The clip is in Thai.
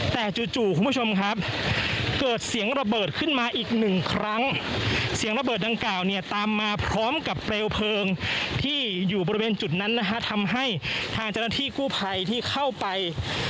แต่จู่คุณผู้ชมครับเกิดเสียงระเบิดขึ้นมาอีก๑ครั้งเสียงระเบิดดังกล่าวตามมาพร้อมกับเปร่วเพลิงที่อยู่บริเวณจุดนั้นทำให้ทางจรฐีกู้ไภที่เข้าไป